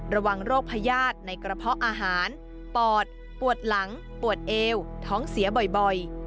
ระวังโรคพญาติในกระเพาะอาหารปอดปวดหลังปวดเอวท้องเสียบ่อย